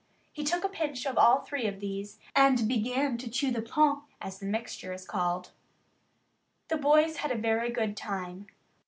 He took a pinch of all three of these and began to chew the pan, as the mixture is called. The boys had a very good time.